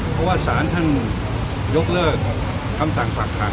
เพราะว่าสารท่านยกเลิกคำสั่งฝากขัง